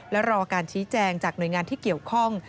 และรอการชี้แจงจากหน่วยงานที่เกี่ยวข้อง